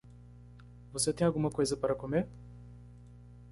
Você tem alguma coisa para comer?